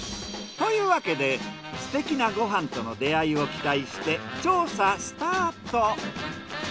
というわけですてきなご飯との出会いを期待して調査スタート。